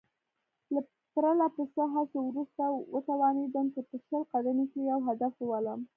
له پرله پسې هڅو وروسته وتوانېدم چې په شل قدمۍ کې یو هدف وولم.